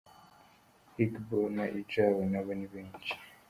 Igbo na Ijaw nabo ni benshi.